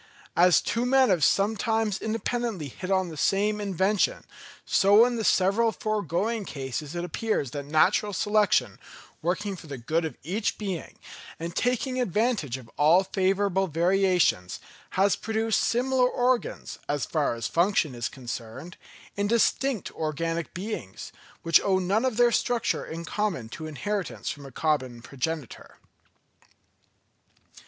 As two men have sometimes independently hit on the same invention, so in the several foregoing cases it appears that natural selection, working for the good of each being, and taking advantage of all favourable variations, has produced similar organs, as far as function is concerned, in distinct organic beings, which owe none of their structure in common to inheritance from a common progenitor.